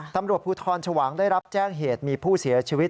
ตำรวจภูทรชวางได้รับแจ้งเหตุมีผู้เสียชีวิต